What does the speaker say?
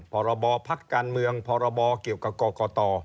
พรบพักการเมืองพรบเกี่ยวกับกรกต